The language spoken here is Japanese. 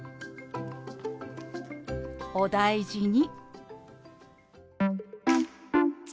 「お大事に」。